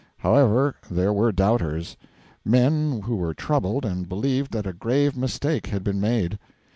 However, there were doubters men who were troubled, and believed that a grave mistake had been made.